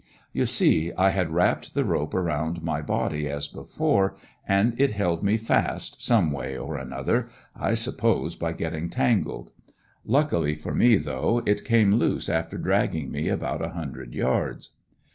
You see I had wrapped the rope around my body as before and it held me fast some way or another; I suppose by getting tangled. Luckily for me though it came loose after dragging me about a hundred yards.